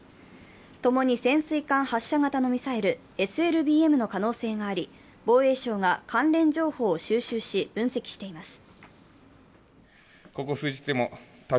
共に潜水艦発射型のミサイル、ＳＬＢＭの可能性があり、防衛省が関連情報を収集し分析しています。